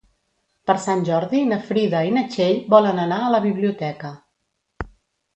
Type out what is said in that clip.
Per Sant Jordi na Frida i na Txell volen anar a la biblioteca.